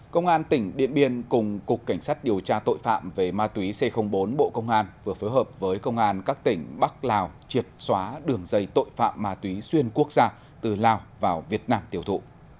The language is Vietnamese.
công an tỉnh điện biên cùng cục cảnh sát điều tra tội phạm về ma túy c bốn bộ công an vừa phối hợp với công an các tỉnh bắc lào triệt xóa đường dây tội phạm ma túy xuyên quốc gia từ lào vào việt nam tiêu thụ